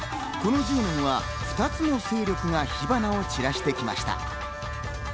この１０年は２つの勢力が火花を散らしてきました。